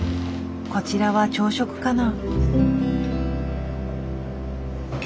こちらは朝食かな？